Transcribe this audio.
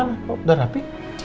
yang mau ke mana kok udah rapi